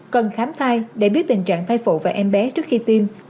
cần khám thai để biết tình trạng thai phụ và em bé trước khi tim